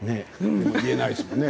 言えないですよね。